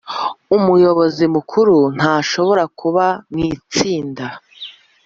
umuyobozi mukuru ntashobora kuba mu itsinda